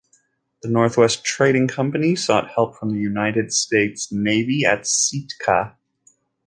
The North West Trading Company sought help from the United States Navy at Sitka.